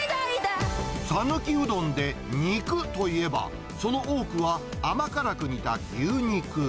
讃岐うどんで肉といえば、その多くは、甘辛く煮た牛肉。